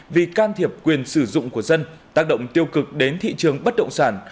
vì can thiệp quyền sử dụng của dân tác động tiêu cực đến thị trường bất động sản